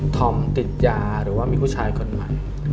ธอมติดยาหรือว่ามีผู้ชายคนใหม่